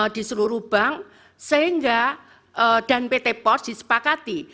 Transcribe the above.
di seluruh bank sehingga dan pt pos disepakati